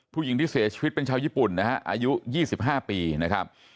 ผู้หญิงที่เสียชีวิตเป็นชาวญี่ปุ่นนะฮะอายุ๒๕ปีนะครับ